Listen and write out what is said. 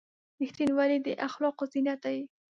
• رښتینولي د اخلاقو زینت دی.